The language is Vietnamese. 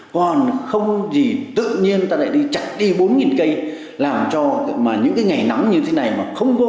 còn không gì tự nhiên ta lại chặt đi bốn cây làm cho những ngày nắng như thế này không có